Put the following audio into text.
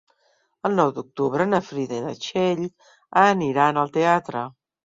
El nou d'octubre na Frida i na Txell aniran al teatre.